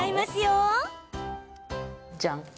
じゃん！